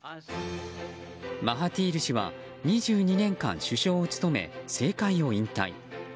マハティール氏は２２年間、首相を務め政界を引退。